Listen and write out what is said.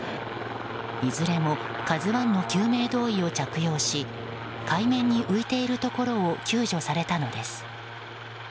いずれも「ＫＡＺＵ１」の救命胴衣を着用し海面に浮いているところを救助されたのです。